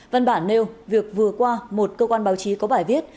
văn bản nêu việc vừa qua một cơ quan báo chí có bài viết